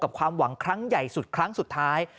ความหวังครั้งใหญ่สุดครั้งสุดท้าย